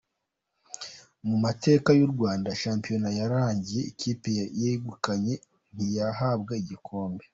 Mu mateka y’u Rwanda shampiyona yararangiye ikipe yayegukanye ntiyahabwa igikombe.